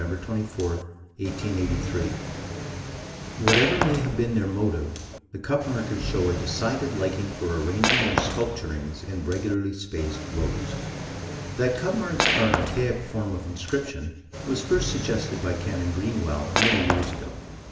24, 1883): "Whatever may have been their motive, the cup markers showed a decided liking for arranging their sculpturings in regularly spaced rows." That cup marks are an archaic form of inscription was first suggested by Canon Greenwell many years ago.